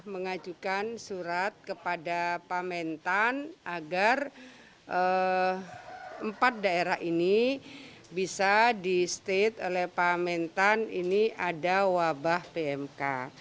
mengajukan surat kepada pak mentan agar empat daerah ini bisa di state oleh pak mentan ini ada wabah pmk